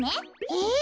えっ？